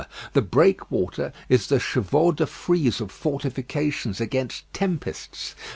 The breakwater is the chevaux de frise of fortifications against tempests.